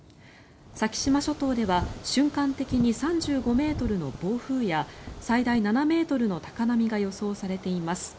先島諸島では瞬間的に３５ｍの暴風や最大７ｍの高波が予想されています。